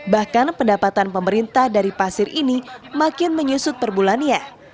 bahkan pendapatan pemerintah dari pasir ini makin menyusut perbulannya